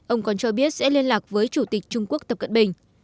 ông còn cho biết sẽ liên lạc với chủ tịch trung quốc tập cận bình